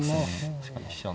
確かに飛車の。